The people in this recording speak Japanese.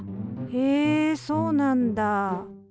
へえそうなんだ！